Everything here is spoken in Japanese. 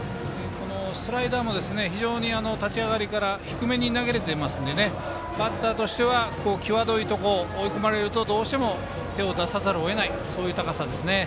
スライダーも非常に立ち上がりから低めに投げられていますのでバッターとしては際どいところ、追い込まれるとどうしても手を出さざるを得ない球ですね。